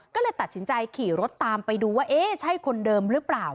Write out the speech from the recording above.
ก็เลยตัดสินใจขี่รถตามไปดูว่าเอ๊ะใช่คนเดิมหรือเปล่า